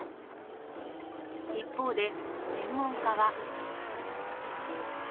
一方で、専門家は。